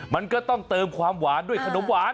มันก็ต้องเติมความหวานด้วยขนมหวาน